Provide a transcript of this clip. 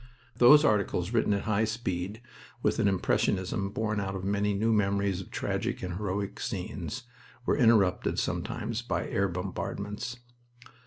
Those articles, written at high speed, with an impressionism born out of many new memories of tragic and heroic scenes, were interrupted sometimes by air bombardments.